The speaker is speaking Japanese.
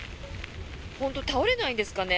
本当に倒れないんですかね？